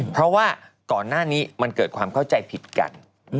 เพราะว่าก่อนหน้านี้มันเกิดความเข้าใจผิดกัน